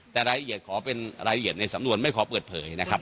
แต่รายละเอียดขอเป็นรายละเอียดในสำนวนไม่ขอเปิดเผยนะครับ